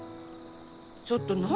ちょっと何？